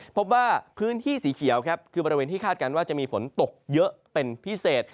พบว่าพื้นที่สีเขียวครับคือบริเวณที่คาดการณ์ว่าจะมีฝนตกเยอะเป็นพิเศษ